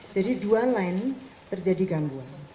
jadi dua line terjadi gangguan